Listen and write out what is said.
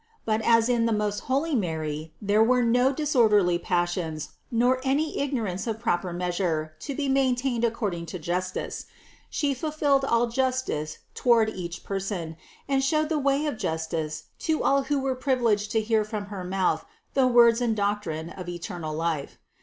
But as in the most holy Mary there were no disorderly passions nor any ignorance of proper measure to be maintained ac cording to justice, She fulfilled all justice toward each person, and showed the way of justice to all who were privileged to hear from her mouth the words and doc trine of eternal life.